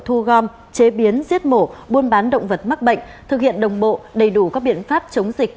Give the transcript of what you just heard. thu gom chế biến giết mổ buôn bán động vật mắc bệnh thực hiện đồng bộ đầy đủ các biện pháp chống dịch